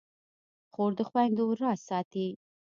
خور د خویندو راز ساتي.